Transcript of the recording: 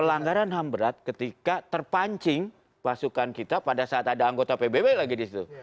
pelanggaran ham berat ketika terpancing pasukan kita pada saat ada anggota pbb lagi di situ